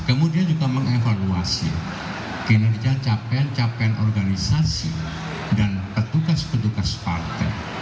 kemudian juga mengevaluasi kinerja capaian capaian organisasi dan petugas petugas partai